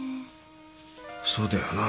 そうだよな。